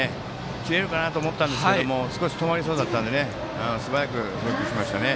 切れるかなと思ったんですが少し詰まりそうだったのですばやく拾いに行きましたね。